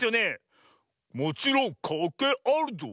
「もちろんかんけいあるゾウ。